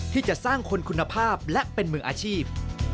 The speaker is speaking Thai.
ที่จะสร้างคนคุณภาพและเป็นมืออาชีพ